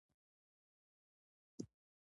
استادان باید په دې برخه کې زیار وباسي.